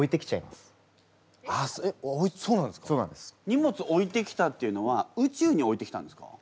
荷物置いてきたっていうのは宇宙に置いてきたんですか？